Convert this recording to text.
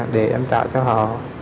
để em trả cho họ